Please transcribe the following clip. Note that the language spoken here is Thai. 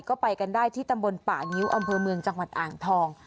ก็ไปกันได้ที่ตำบลป่างิ้วอำเภอเมืองจังหวัดอ่างทอง